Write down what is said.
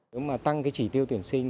nếu mà tăng cái trí tiêu tuyển sinh